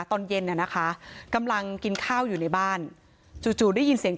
ตอนเย็นน่ะนะคะกำลังกินข้าวอยู่ในบ้านจู่ได้ยินเสียง